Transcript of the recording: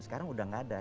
sekarang udah gak ada